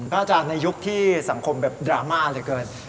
อาจารย์ในยุคที่สังคมแบบดราม่าเหลือเกิน